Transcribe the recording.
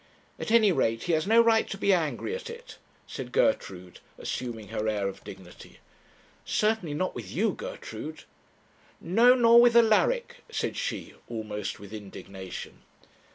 'At any rate he has no right to be angry at it,' said Gertrude, assuming her air of dignity. 'Certainly not with you, Gertrude.' 'No, nor with Alaric,' said she, almost with indignation.